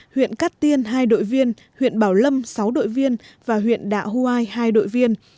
huyện cát tiên hai đội viên huyện bảo lâm sáu đội viên và huyện đạ hoai hai đội viên